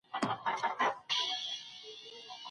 نو قاضي ئې د تفريق حکم کوي.